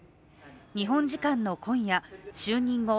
日本時間の今夜就任後